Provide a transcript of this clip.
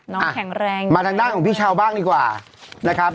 แข็งแรงมาทางด้านของพี่เช้าบ้างดีกว่านะครับ